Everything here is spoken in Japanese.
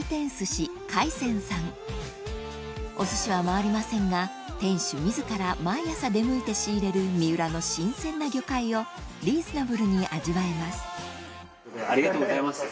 お寿司は回りませんが店主自ら毎朝出向いて仕入れる三浦の新鮮な魚介をリーズナブルに味わえますハハハ